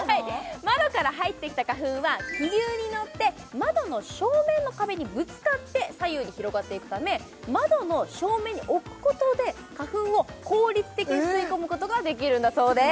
窓から入ってきた花粉は気流に乗って窓の正面の壁にぶつかって左右に広がっていくため窓の正面に置くことで花粉を効率的に吸い込むことができるんだそうです